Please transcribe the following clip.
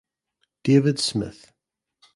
David Smith.